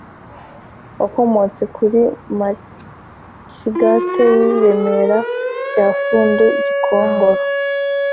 wakomotse kuri macigata w' i remera rya bufundu gikongoro .